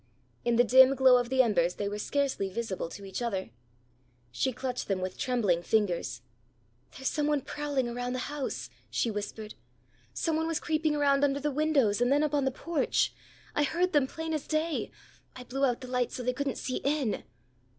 In the dim glow of the embers they were scarcely visible to each other. She clutched them with trembling fingers. "There's some one prowling around the house!" she whispered. "Some one was creeping around under the windows, and then up on the porch. I heard them plain as day. I blew out the light so they couldn't see in!"